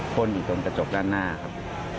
ผ้อจูกตอนกระจกด้านหน้าครับ